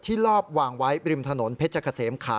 รอบวางไว้ริมถนนเพชรเกษมขา